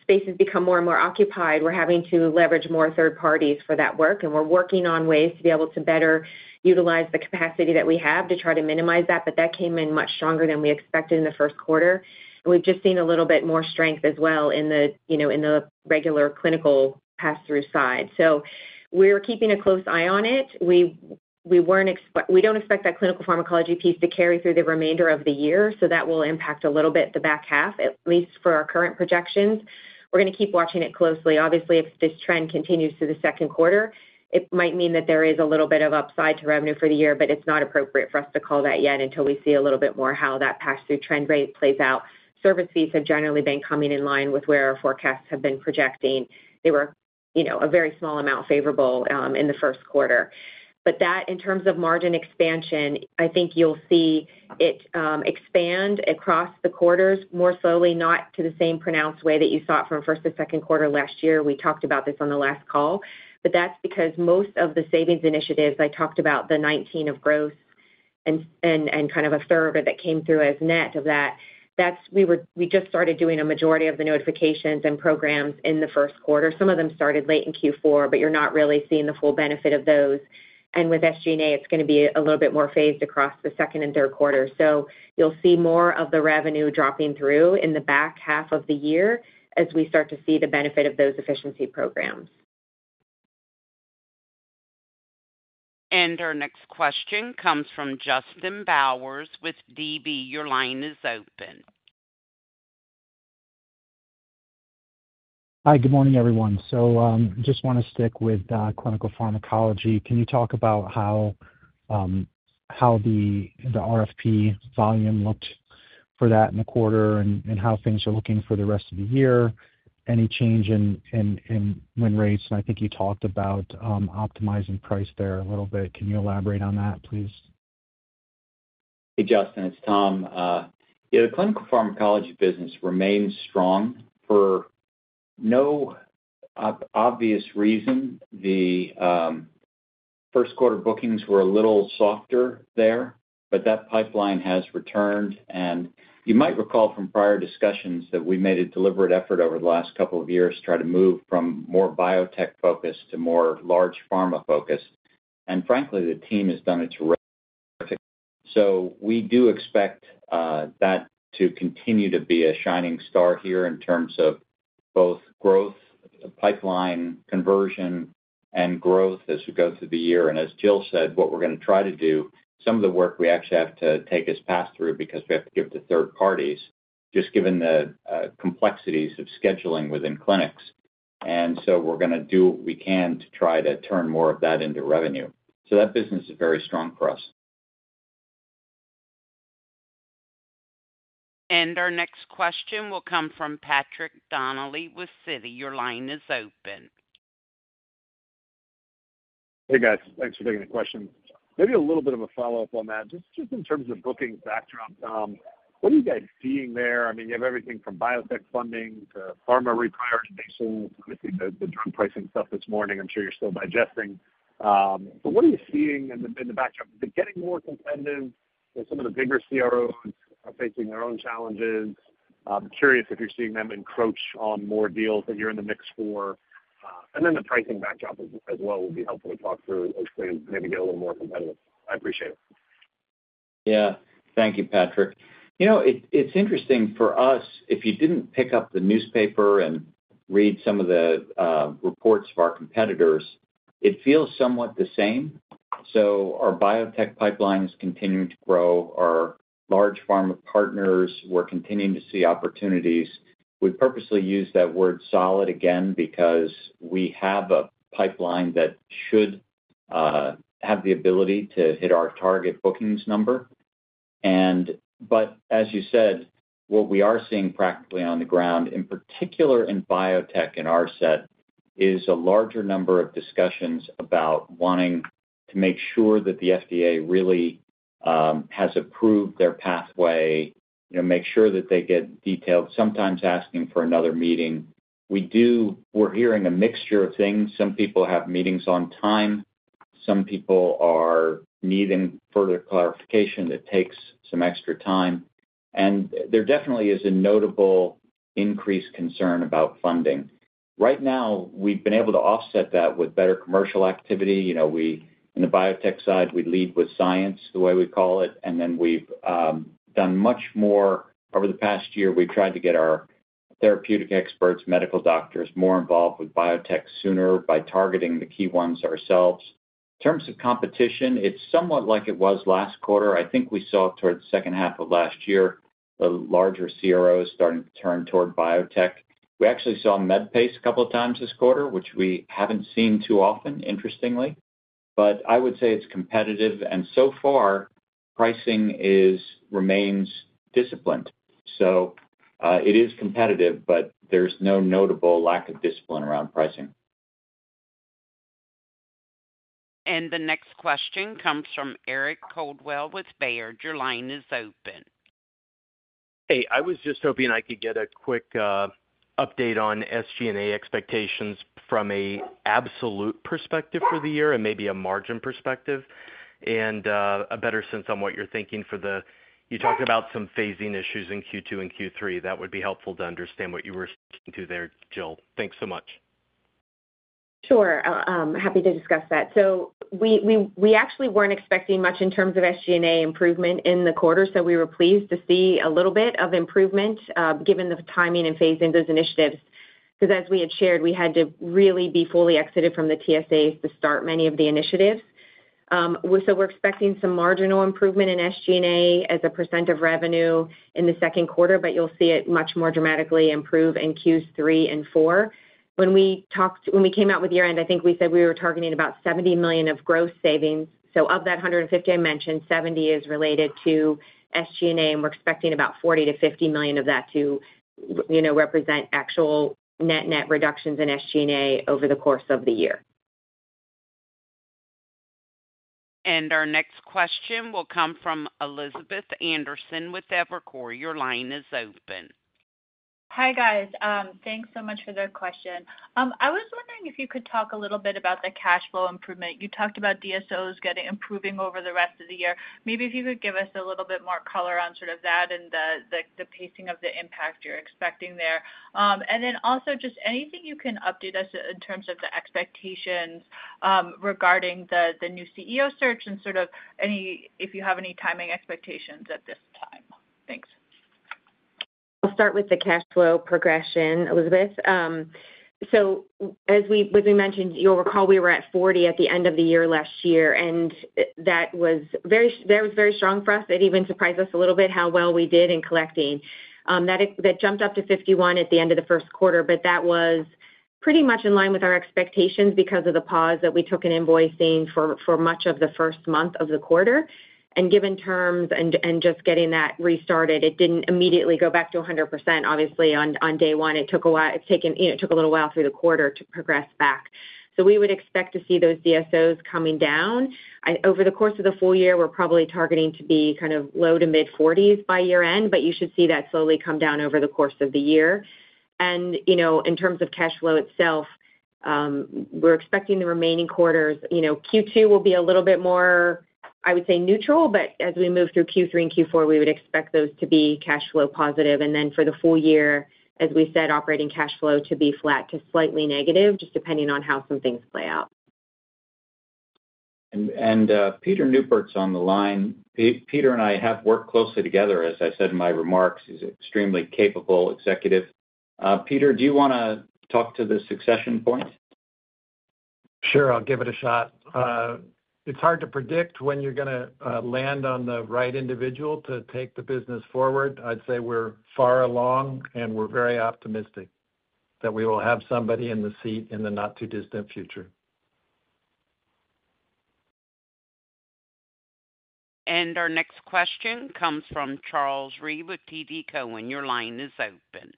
spaces become more and more occupied, we're having to leverage more third parties for that work, and we're working on ways to be able to better utilize the capacity that we have to try to minimize that, but that came in much stronger than we expected in the first quarter. We have just seen a little bit more strength as well in the regular clinical pass-through side. We are keeping a close eye on it. We do not expect that clinical pharmacology piece to carry through the remainder of the year, so that will impact a little bit the back half, at least for our current projections. We are going to keep watching it closely. Obviously, if this trend continues through the second quarter, it might mean that there is a little bit of upside to revenue for the year, but it's not appropriate for us to call that yet until we see a little bit more how that pass-through trend rate plays out. Service fees have generally been coming in line with where our forecasts have been projecting. They were a very small amount favorable in the first quarter. That, in terms of margin expansion, I think you'll see it expand across the quarters more slowly, not to the same pronounced way that you saw it from first to second quarter last year. We talked about this on the last call, but that's because most of the savings initiatives I talked about, the 19 of gross and kind of a third of it that came through as net of that, we just started doing a majority of the notifications and programs in the first quarter. Some of them started late in Q4, but you're not really seeing the full benefit of those. With SG&A, it's going to be a little bit more phased across the second and third quarter. You'll see more of the revenue dropping through in the back half of the year as we start to see the benefit of those efficiency programs. Our next question comes from Justin Bowers with DB. Your line is open. Hi, good morning, everyone. I just want to stick with clinical pharmacology. Can you talk about how the RFP volume looked for that in the quarter and how things are looking for the rest of the year? Any change in win rates? I think you talked about optimizing price there a little bit. Can you elaborate on that, please? Hey, Justin, it's Tom. Yeah, the clinical pharmacology business remains strong. For no obvious reason, the first quarter bookings were a little softer there, but that pipeline has returned. You might recall from prior discussions that we made a deliberate effort over the last couple of years to try to move from more biotech-focused to more large pharma-focused. Frankly, the team has done its work. We do expect that to continue to be a shining star here in terms of both growth, pipeline, conversion, and growth as we go through the year. As Jill said, what we are going to try to do, some of the work we actually have to take is pass-through because we have to give it to third parties, just given the complexities of scheduling within clinics. We are going to do what we can to try to turn more of that into revenue. That business is very strong for us. Our next question will come from Patrick Donnelly with Citi. Your line is open. Hey, guys. Thanks for taking the question. Maybe a little bit of a follow-up on that, just in terms of booking backdrop. What are you guys seeing there? I mean, you have everything from biotech funding to pharma reprioritization. Obviously, the drug pricing stuff this morning, I am sure you are still digesting. What are you seeing in the backdrop? Is it getting more competitive? Some of the bigger CROs are facing their own challenges. I'm curious if you're seeing them encroach on more deals that you're in the mix for. The pricing backdrop as well would be helpful to talk through as things maybe get a little more competitive. I appreciate it. Thank you, Patrick. It's interesting for us, if you didn't pick up the newspaper and read some of the reports of our competitors, it feels somewhat the same. Our biotech pipeline is continuing to grow. Our large pharma partners, we're continuing to see opportunities. We purposely use that word solid again because we have a pipeline that should have the ability to hit our target bookings number. As you said, what we are seeing practically on the ground, in particular in biotech and RSET, is a larger number of discussions about wanting to make sure that the FDA really has approved their pathway, make sure that they get detailed, sometimes asking for another meeting. We're hearing a mixture of things. Some people have meetings on time. Some people are needing further clarification that takes some extra time. There definitely is a notable increased concern about funding. Right now, we've been able to offset that with better commercial activity. In the biotech side, we lead with science, the way we call it, and then we've done much more over the past year. We've tried to get our therapeutic experts, medical doctors, more involved with biotech sooner by targeting the key ones ourselves. In terms of competition, it's somewhat like it was last quarter. I think we saw it towards the second half of last year, the larger CROs starting to turn toward biotech. We actually saw med pay a couple of times this quarter, which we have not seen too often, interestingly. I would say it is competitive. So far, pricing remains disciplined. It is competitive, but there is no notable lack of discipline around pricing. The next question comes from Eric Coldwell with Baird. Your line is open. Hey, I was just hoping I could get a quick update on SG&A expectations from an absolute perspective for the year and maybe a margin perspective and a better sense on what you are thinking for the—you talked about some phasing issues in Q2 and Q3. That would be helpful to understand what you were speaking to there, Jill. Thanks so much. Sure. Happy to discuss that. We actually were not expecting much in terms of SG&A improvement in the quarter, so we were pleased to see a little bit of improvement given the timing and phasing of those initiatives. Because as we had shared, we had to really be fully exited from the TSAs to start many of the initiatives. We are expecting some marginal improvement in SG&A as a percent of revenue in the second quarter, but you will see it much more dramatically improve in Q3 and Q4. When we came out with year-end, I think we said we were targeting about $70 million of gross savings. Of that $150 million I mentioned, $70 million is related to SG&A, and we are expecting about $40-$50 million of that to represent actual net-net reductions in SG&A over the course of the year. Our next question will come from Elizabeth Anderson with Evercore. Your line is open. Hi, guys. Thanks so much for the question. I was wondering if you could talk a little bit about the cash flow improvement. You talked about DSOs improving over the rest of the year. Maybe if you could give us a little bit more color on sort of that and the pacing of the impact you're expecting there. Also just anything you can update us in terms of the expectations regarding the new CEO search and sort of if you have any timing expectations at this time. Thanks. I'll start with the cash flow progression, Elizabeth. As we mentioned, you'll recall we were at 40% at the end of the year last year, and that was very strong for us. It even surprised us a little bit how well we did in collecting. That jumped up to 51% at the end of the first quarter, but that was pretty much in line with our expectations because of the pause that we took in invoicing for much of the first month of the quarter. Given terms and just getting that restarted, it did not immediately go back to 100%. Obviously, on day one, it took a while, it took a little while through the quarter to progress back. We would expect to see those DSOs coming down. Over the course of the full year, we are probably targeting to be kind of low to mid-40s by year-end, but you should see that slowly come down over the course of the year. In terms of cash flow itself, we're expecting the remaining quarters—Q2 will be a little bit more, I would say, neutral, but as we move through Q3 and Q4, we would expect those to be cash flow positive. For the full year, as we said, operating cash flow to be flat to slightly negative, just depending on how some things play out. Peter Neupert's on the line. Peter and I have worked closely together, as I said in my remarks. He's an extremely capable executive. Peter, do you want to talk to the succession point? Sure. I'll give it a shot. It's hard to predict when you're going to land on the right individual to take the business forward. I'd say we're far along, and we're very optimistic that we will have somebody in the seat in the not-too-distant future. Our next question comes from Charles Rhyee with TD Cowen. Your line is open.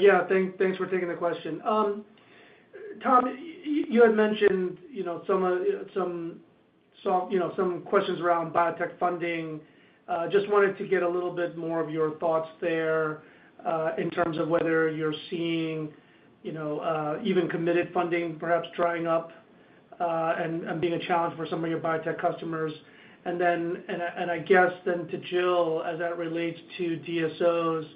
Yeah. Thanks for taking the question. Tom, you had mentioned some questions around biotech funding. Just wanted to get a little bit more of your thoughts there in terms of whether you're seeing even committed funding perhaps drying up and being a challenge for some of your biotech customers. I guess then to Jill, as that relates to DSOs,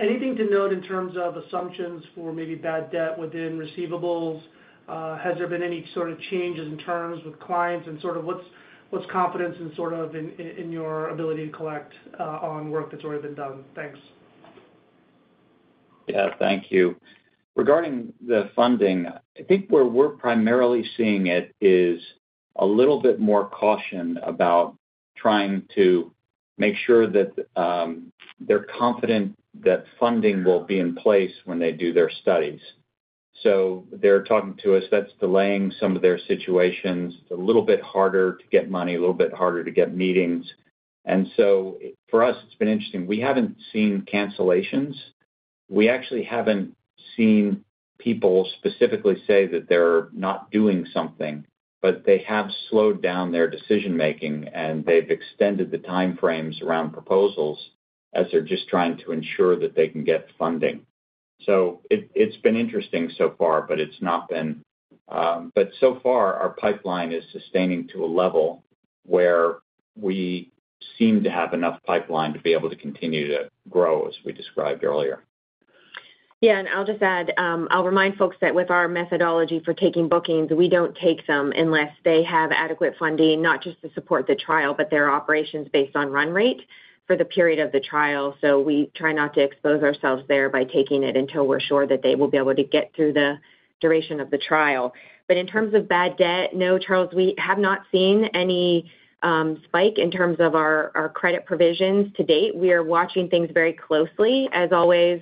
anything to note in terms of assumptions for maybe bad debt within receivables? Has there been any sort of changes in terms with clients? What's confidence in your ability to collect on work that's already been done? Thanks. Yeah. Thank you. Regarding the funding, I think where we're primarily seeing it is a little bit more caution about trying to make sure that they're confident that funding will be in place when they do their studies. They're talking to us, that's delaying some of their situations. It's a little bit harder to get money, a little bit harder to get meetings. For us, it's been interesting. We haven't seen cancellations. We actually haven't seen people specifically say that they're not doing something, but they have slowed down their decision-making, and they've extended the timeframes around proposals as they're just trying to ensure that they can get funding. It's been interesting so far, but it's not been—but so far, our pipeline is sustaining to a level where we seem to have enough pipeline to be able to continue to grow, as we described earlier. Yeah. I'll just add, I'll remind folks that with our methodology for taking bookings, we don't take them unless they have adequate funding, not just to support the trial, but their operations based on run rate for the period of the trial. We try not to expose ourselves there by taking it until we're sure that they will be able to get through the duration of the trial. In terms of bad debt, no, Charles, we have not seen any spike in terms of our credit provisions to date. We are watching things very closely. As always,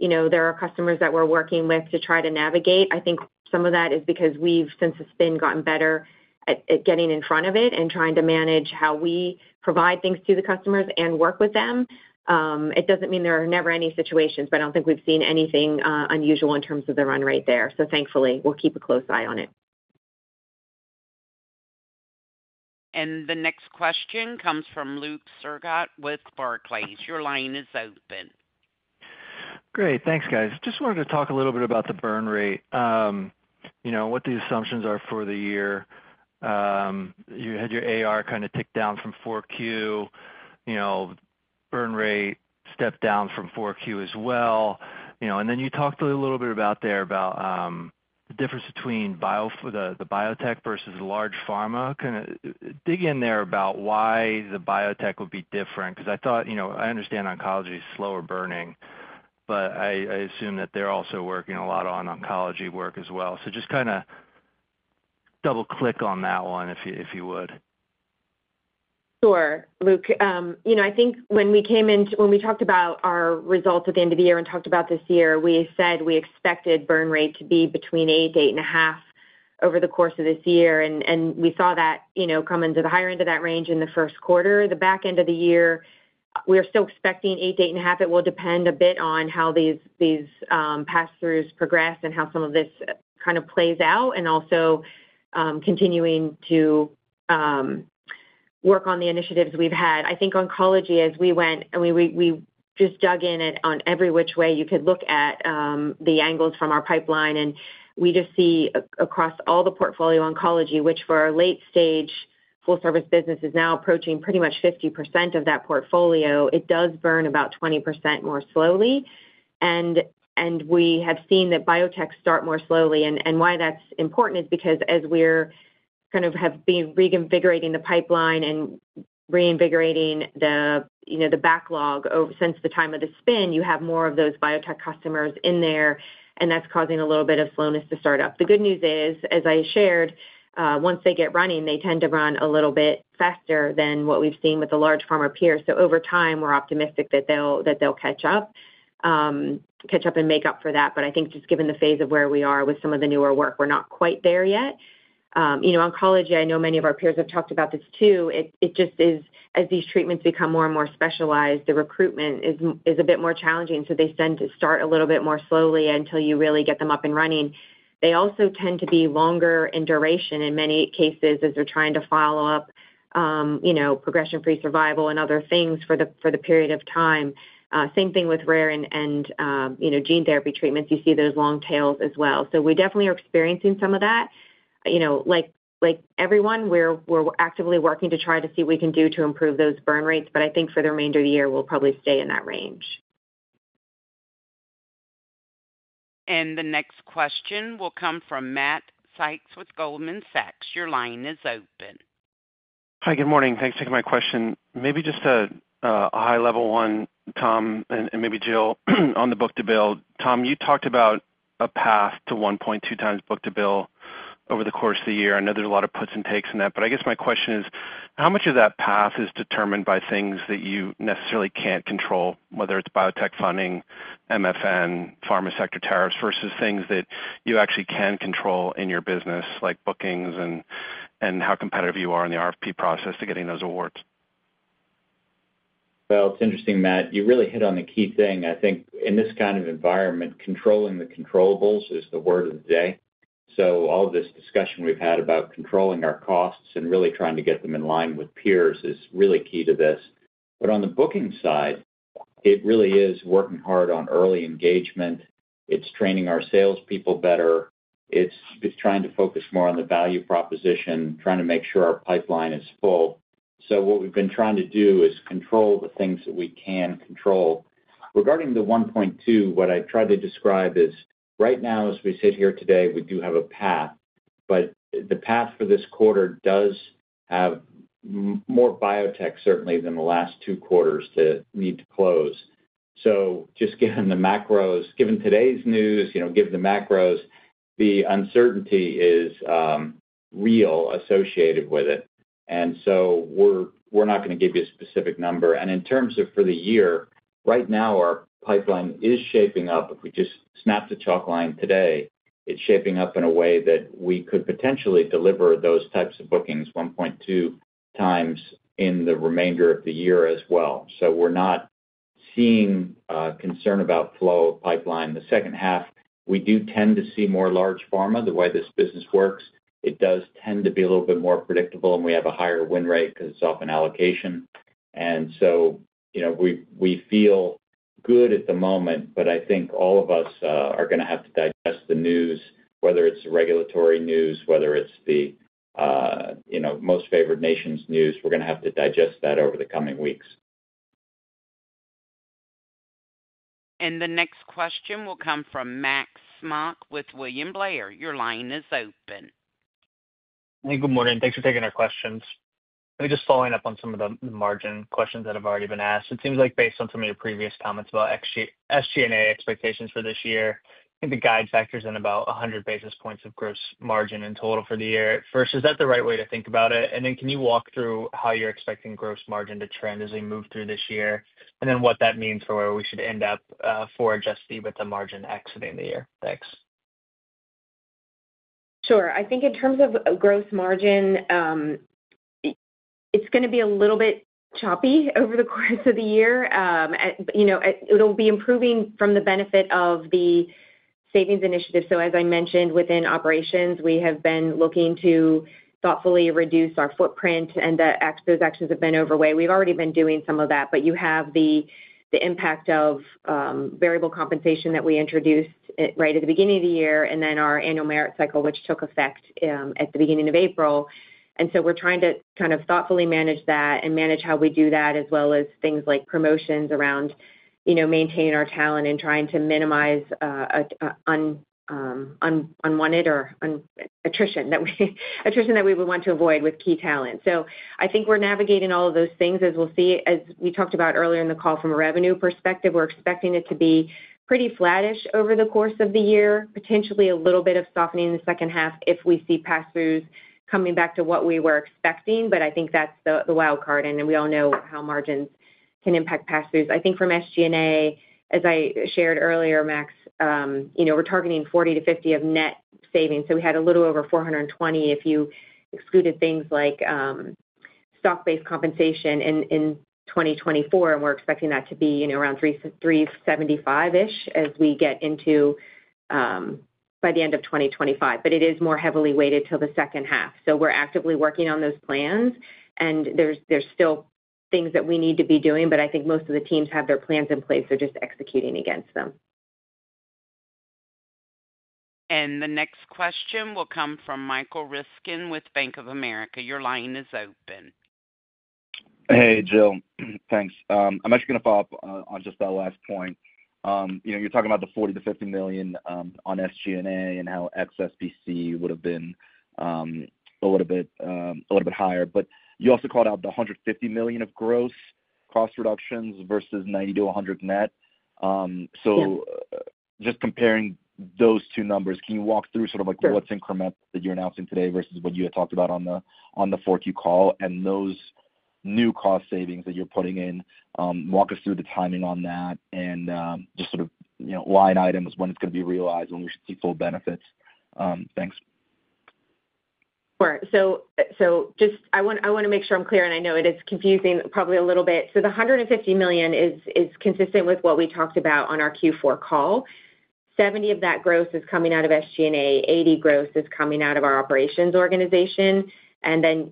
there are customers that we're working with to try to navigate. I think some of that is because we've, since it's been, gotten better at getting in front of it and trying to manage how we provide things to the customers and work with them. It doesn't mean there are never any situations, but I don't think we've seen anything unusual in terms of the run rate there. Thankfully, we'll keep a close eye on it. The next question comes from Luke Sergott with Barclays. Your line is open. Great. Thanks, guys. Just wanted to talk a little bit about the burn rate, what the assumptions are for the year. You had your AR kind of ticked down from 4Q, burn rate stepped down from 4Q as well. You talked a little bit there about the difference between the biotech versus large pharma. Kind of dig in there about why the biotech would be different. Because I thought I understand oncology is slower burning, but I assume that they're also working a lot on oncology work as well. Just kind of double-click on that one, if you would. Sure. Luke, I think when we came in, when we talked about our results at the end of the year and talked about this year, we said we expected burn rate to be between 8%-8.5% over the course of this year. We saw that come into the higher end of that range in the first quarter. The back end of the year, we are still expecting 8%-8.5%. It will depend a bit on how these pass-throughs progress and how some of this kind of plays out. Also, continuing to work on the initiatives we've had. I think oncology, as we went, we just dug in on every which way you could look at the angles from our pipeline. We just see across all the portfolio oncology, which for our late-stage full-service business is now approaching pretty much 50% of that portfolio, it does burn about 20% more slowly. We have seen that biotech start more slowly. Why that's important is because as we're kind of have been reinvigorating the pipeline and reinvigorating the backlog since the time of the spin, you have more of those biotech customers in there, and that's causing a little bit of slowness to start up. The good news is, as I shared, once they get running, they tend to run a little bit faster than what we've seen with the large pharma peers. Over time, we're optimistic that they'll catch up and make up for that. I think just given the phase of where we are with some of the newer work, we're not quite there yet. Oncology, I know many of our peers have talked about this too. It just is, as these treatments become more and more specialized, the recruitment is a bit more challenging. They tend to start a little bit more slowly until you really get them up and running. They also tend to be longer in duration in many cases as they're trying to follow up progression-free survival and other things for the period of time. Same thing with rare and gene therapy treatments. You see those long tails as well. We definitely are experiencing some of that. Like everyone, we're actively working to try to see what we can do to improve those burn rates. I think for the remainder of the year, we'll probably stay in that range. The next question will come from Matt Sykes with Goldman Sachs. Your line is open. Hi, good morning. Thanks for taking my question. Maybe just a high-level one, Tom, and maybe Jill, on the book-to-bill. Tom, you talked about a path to 1.2x book-to-bill over the course of the year. I know there is a lot of puts and takes in that. I guess my question is, how much of that path is determined by things that you necessarily cannot control, whether it is biotech funding, MFN, pharma sector tariffs, versus things that you actually can control in your business, like bookings and how competitive you are in the RFP process to getting those awards? It is interesting, Matt. You really hit on the key thing. I think in this kind of environment, controlling the controllable is the word of the day. All of this discussion we've had about controlling our costs and really trying to get them in line with peers is really key to this. On the booking side, it really is working hard on early engagement. It's training our salespeople better. It's trying to focus more on the value proposition, trying to make sure our pipeline is full. What we've been trying to do is control the things that we can control. Regarding the 1.2x, what I tried to describe is right now, as we sit here today, we do have a path. The path for this quarter does have more biotech, certainly, than the last two quarters that need to close. Just given the macros, given today's news, given the macros, the uncertainty is real associated with it. We're not going to give you a specific number. In terms of for the year, right now, our pipeline is shaping up. If we just snap the chalk line today, it is shaping up in a way that we could potentially deliver those types of bookings 1.2x in the remainder of the year as well. We are not seeing concern about flow of pipeline. The second half, we do tend to see more large pharma. The way this business works, it does tend to be a little bit more predictable, and we have a higher win rate because it is off an allocation. We feel good at the moment, but I think all of us are going to have to digest the news, whether it is regulatory news, whether it is the most favored nation's news. We are going to have to digest that over the coming weeks. The next question will come from Max Smock with William Blair. Your line is open. Hey, good morning. Thanks for taking our questions. I'm just following up on some of the margin questions that have already been asked. It seems like based on some of your previous comments about SG&A expectations for this year, I think the guide factors in about 100 basis points of gross margin in total for the year. First, is that the right way to think about it? Can you walk through how you're expecting gross margin to trend as we move through this year? What does that mean for where we should end up for adjusted EBITDA margin exiting the year? Thanks. Sure. I think in terms of gross margin, it's going to be a little bit choppy over the course of the year. It'll be improving from the benefit of the savings initiative. As I mentioned, within operations, we have been looking to thoughtfully reduce our footprint, and those actions have been overweight. We've already been doing some of that, but you have the impact of variable compensation that we introduced right at the beginning of the year, and then our annual merit cycle, which took effect at the beginning of April. We are trying to kind of thoughtfully manage that and manage how we do that, as well as things like promotions around maintaining our talent and trying to minimize unwanted or attrition that we would want to avoid with key talent. I think we're navigating all of those things as we'll see. As we talked about earlier in the call, from a revenue perspective, we're expecting it to be pretty flattish over the course of the year, potentially a little bit of softening in the second half if we see pass-throughs coming back to what we were expecting. I think that's the wild card, and we all know how margins can impact pass-throughs. I think from SG&A, as I shared earlier, Max, we're targeting $40-$50 million of net savings. We had a little over $420 million if you excluded things like stock-based compensation in 2024. We're expecting that to be around $375 million-ish as we get into by the end of 2025. It is more heavily weighted to the second half. We're actively working on those plans, and there's still things that we need to be doing. I think most of the teams have their plans in place. They're just executing against them. The next question will come from Michael Ryskin with Bank of America. Your line is open. Hey, Jill. Thanks. I'm actually going to follow up on just that last point. You're talking about the $40 million-$50 million on SG&A and how XSPC would have been a little bit higher. You also called out the $150 million of gross cost reductions versus $90 million-$100 million net. Just comparing those two numbers, can you walk through sort of what's incremental that you're announcing today versus what you had talked about on the 4Q call and those new cost savings that you're putting in? Walk us through the timing on that and just sort of line items when it's going to be realized, when we should see full benefits. Thanks. Sure. I want to make sure I'm clear, and I know it is confusing probably a little bit. The $150 million is consistent with what we talked about on our Q4 call. $70 of that gross is coming out of SG&A. $80 gross is coming out of our operations organization. The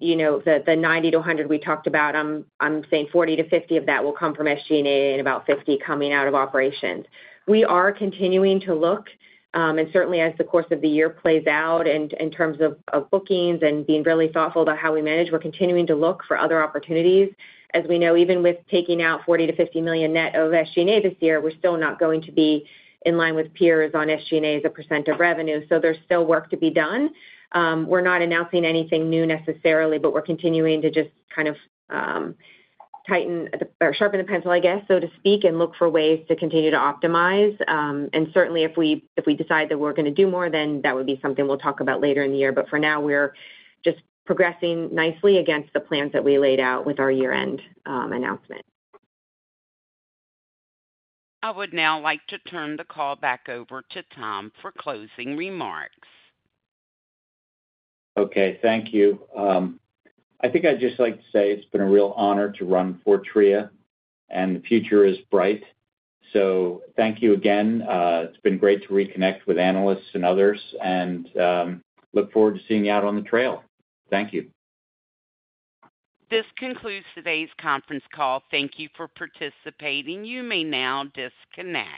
$90-$100 we talked about, I'm saying $40-$50 of that will come from SG&A and about $50 coming out of operations. We are continuing to look, and certainly as the course of the year plays out in terms of bookings and being really thoughtful about how we manage, we're continuing to look for other opportunities. As we know, even with taking out $40-$50 million net of SG&A this year, we're still not going to be in line with peers on SG&A as a percent of revenue. There is still work to be done. We are not announcing anything new necessarily, but we are continuing to just kind of sharpen the pencil, I guess, so to speak, and look for ways to continue to optimize. Certainly, if we decide that we are going to do more, then that would be something we will talk about later in the year. For now, we are just progressing nicely against the plans that we laid out with our year-end announcement. I would now like to turn the call back over to Tom for closing remarks. Okay. Thank you. I think I would just like to say it has been a real honor to run Fortrea, and the future is bright. Thank you again. It has been great to reconnect with analysts and others, and I look forward to seeing you out on the trail. Thank you. This concludes today's conference call. Thank you for participating. You may now disconnect.